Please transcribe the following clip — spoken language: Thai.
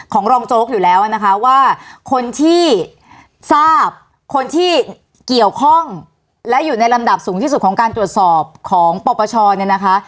รองโจ๊กอยู่แล้วนะคะว่าคนที่ทราบคนที่เกี่ยวข้องและอยู่ในลำดับสูงที่สุดของการตรวจสอบของปปชเนี่ยนะคะ